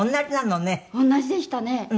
同じでしたね。